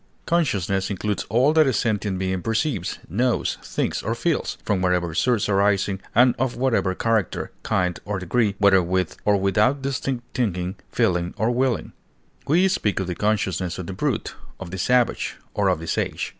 Consciousness includes all that a sentient being perceives, knows, thinks, or feels, from whatever source arising and of whatever character, kind, or degree, whether with or without distinct thinking, feeling, or willing; we speak of the consciousness of the brute, of the savage, or of the sage.